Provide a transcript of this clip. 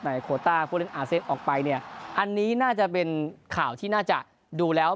โคต้าผู้เล่นอาเซียนออกไปเนี่ยอันนี้น่าจะเป็นข่าวที่น่าจะดูแล้ว